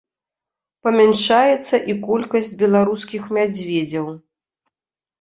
Памяншаецца і колькасць беларускіх мядзведзяў.